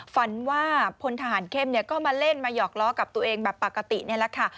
ฝันว่าพลทหารเข้มก็มาเล่นมาหยอกล้อกับตัวเองแบบปกตินี่แหละค่ะ